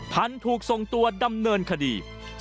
พันธุ์ถูกส่งตัวดำเนินคดี